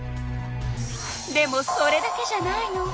でもそれだけじゃないの。